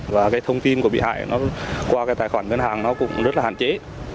và cái thông tin của bị hại nó qua cái tài khoản ngân hàng nó cũng rất là hạn chế